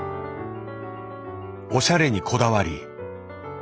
おしゃれにこだわり。